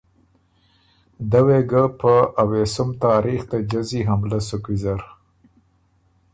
دۀ وې ګۀ په اوېسُم تاریخ ته جزی حملۀ سُک ویزر